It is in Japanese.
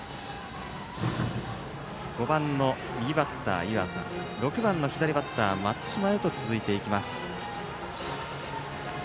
５番の右バッター、湯浅６番の左バッター、松嶋へと続いていきます。